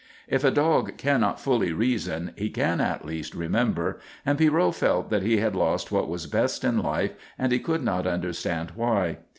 If a dog cannot fully reason, he can at least remember, and Pierrot felt that he had lost what was best in life and he could not understand why.